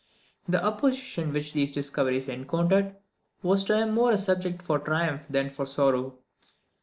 The opposition which these discoveries encountered, was to him more a subject for triumph than for sorrow.